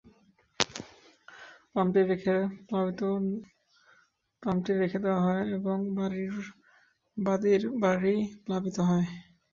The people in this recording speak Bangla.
পাম্পটি রেখে দেওয়া হয় এবং বাদীর বাড়ি প্লাবিত হয়।